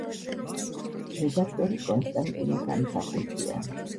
რედაქტორი —კონსტანტინე გამსახურდია.